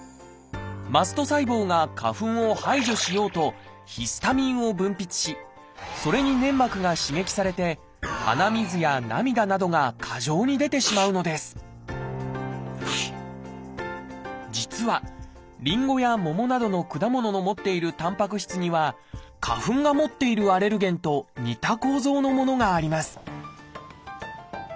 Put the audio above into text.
マスト細胞が花粉を排除しようとヒスタミンを分泌しそれに粘膜が刺激されて鼻水や涙などが過剰に出てしまうのです実はリンゴやモモなどの果物の持っているたんぱく質には花粉が持っているアレルゲンと似た構造のものがあります